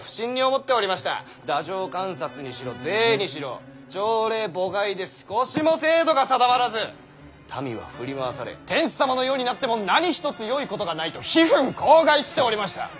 太政官札にしろ税にしろ朝令暮改で少しも制度が定まらず民は振り回され天子様の世になっても何一つよいことがないと悲憤慷慨しておりました。